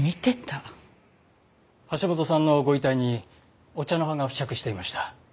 橋本さんのご遺体にお茶の葉が付着していました。